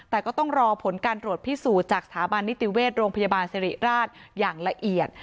แต่ก็ต้องรอผลการตรวจพิสูจน์จากสถาบันนิติเวชโรงพยาบาลสิริราชอย่างละเอียด